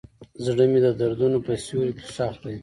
زړه مې د دردونو په سیوري کې ښخ دی.